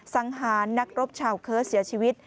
สังหารนักรบชาวเคิร์สเสียชีวิต